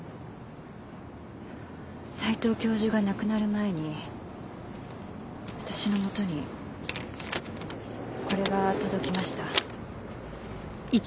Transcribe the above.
斎藤教授が亡くなる前に私のもとにこれが届きました。